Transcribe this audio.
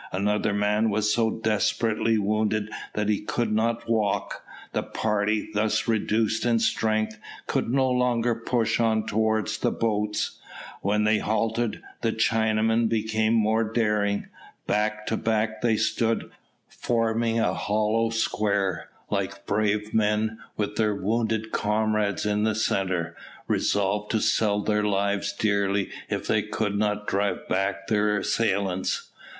Another man was so desperately wounded that he could not walk. The party, thus reduced in strength, could no longer push on towards the boats. When they halted, the Chinamen became more daring. Back to back they stood, forming a hollow square, like brave men, with their wounded comrades in the centre, resolved to sell their lives dearly if they could not drive back their assailants.